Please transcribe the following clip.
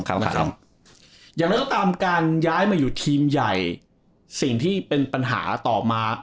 อย่างนั้นก็ตามการย้ายมาอยู่ทีมใหญ่สิ่งที่เป็นปัญหาต่อมา